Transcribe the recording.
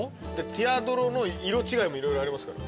ティアドロの色違いも色々ありますから。